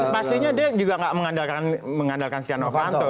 pastinya dia juga tidak mengandalkan stiano novanto